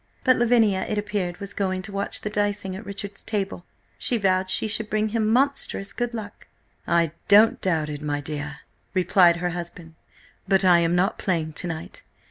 But Lavinia, it appeared, was going to watch the dicing at Richard's table: she vowed she should bring him monstrous good luck. "I don't doubt it, my dear," replied her husband, "but I am not playing to night.